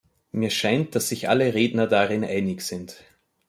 Mir scheint, dass sich alle Redner darin einig sind.